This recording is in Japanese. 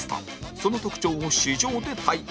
その特徴を試乗で体感